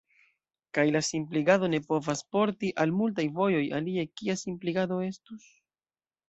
Kaj la simpligado ne povas porti al multaj vojoj, alie kia simpligado estus?